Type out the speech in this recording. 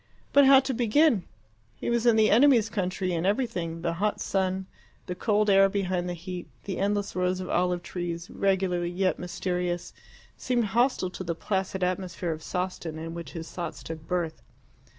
But how to begin? He was in the enemy's country, and everything the hot sun, the cold air behind the heat, the endless rows of olive trees, regular yet mysterious seemed hostile to the placid atmosphere of Sawston in which his thoughts took birth.